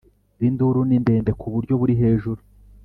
Induru ni ndende ku buryo buri hejuru